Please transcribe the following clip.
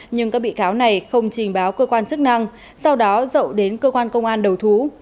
nhưng các bị cáo này không trình báo cơ quan chức năng sau đó dậu đến cơ quan công an đầu thú